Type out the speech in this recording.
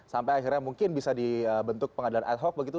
sampai akhirnya mungkin bisa dibentuk pengadilan ad hoc begitu